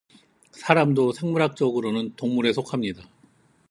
사람도 생물학적으로는 동물에 속합니다.